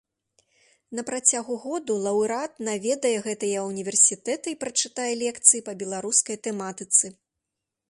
На працягу году лаўрэат наведае гэтыя ўніверсітэты і прачытае лекцыі па беларускай тэматыцы.